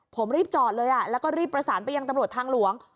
ผมรีบจอดเลยแล้วก็รีบประสานไปยังตำรวจทางหลวง